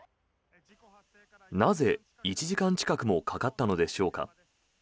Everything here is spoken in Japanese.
なぜ、１時間近くもかかったのでしょうか。